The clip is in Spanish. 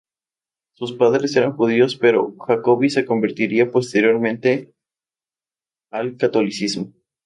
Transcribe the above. Sus padres eran judíos pero Jacobi se convertiría posteriormente al catolicismo.